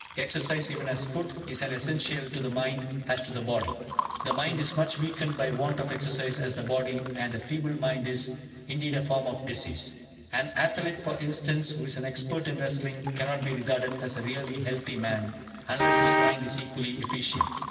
Exercise, even as food, is as essential to the mind as to the body. The mind is much weakened by want of exercise as the body, and a feeble mind is, indeed, a form of disease. An athlete, for instance, who is an expert in wrestling, cannot be regarded as a really healthy man, unless his mind is equally efficient.